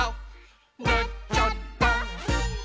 「なっちゃった！」